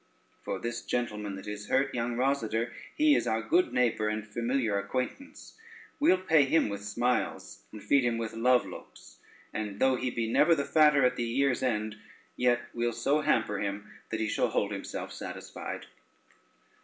For this gentleman that is hurt, young Rosader, he is our good neighbor and familiar acquaintance; we'll pay him with smiles, and feed him with love looks, and though he be never the fatter at the year's end, yet we'll so hamper him that he shall hold himself satisfied."